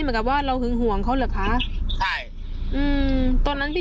เหมือนกับว่าเราหึงห่วงเขาเหรอคะใช่อืมตอนนั้นพี่